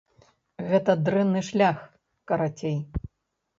Гэта дрэнны шлях, карацей.